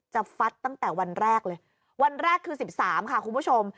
ฟัดตั้งแต่วันแรกเลยวันแรกคือ๑๓ค่ะคุณผู้ชม